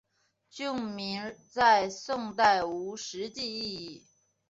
郡名在宋代无实际意义。